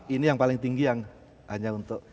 ini yang paling tinggi yang hanya untuk